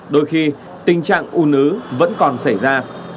đôi khi tình trạng un ứ vẫn còn xảy ra